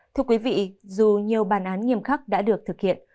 thưa quý vị dù nhiều bàn án nghiêm khắc đã được thực hiện